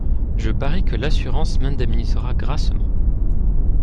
Je parie que l’assurance m’indemnisera grassement.